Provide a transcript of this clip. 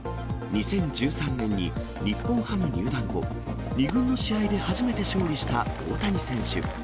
２０１３年に日本ハム入団後、２軍の試合で初めて勝利した大谷選手。